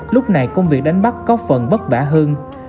lúc này công việc đánh bắt có phần bất bả hơn